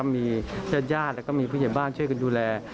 มีญาติญาติแล้วก็มีผู้ใหญ่บ้านช่วยกันดูแล